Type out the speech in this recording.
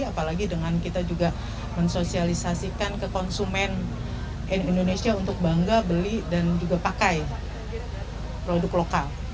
apalagi dengan kita juga mensosialisasikan ke konsumen indonesia untuk bangga beli dan juga pakai produk lokal